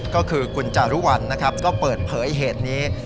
ก็คือคุณจารุวัลนะครับก็เปิดเผยเหตุนี้